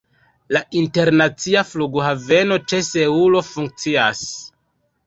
La internacia flughaveno ĉe Seulo funkcias.